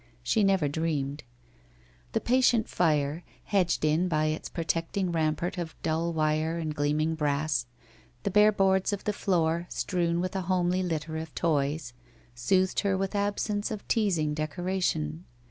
She never dreamed. The patient fire, hedged in by its pro tecting rampart of dull wire and gleaming brass, the bare boards of the floor, strewn with a homely litter of toys, soothed her with absence of teasing decoration.